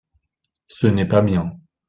Ce n’est pas bien.